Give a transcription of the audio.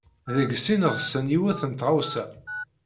Deg sin ɣsen yiwet n tɣawsa.